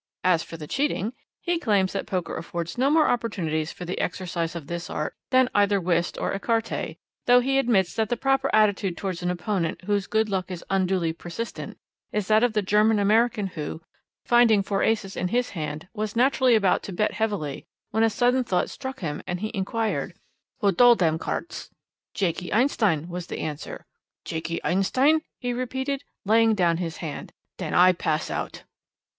As for the cheating, he claims that Poker affords no more opportunities for the exercise of this art than either Whist or Ecarte, though he admits that the proper attitude towards an opponent whose good luck is unduly persistent is that of the German American who, finding four aces in his hand, was naturally about to bet heavily, when a sudden thought struck him and he inquired, 'Who dole dem carts?' 'Jakey Einstein' was the answer. 'Jakey Einstein?' he repeated, laying down his hand; 'den I pass out.'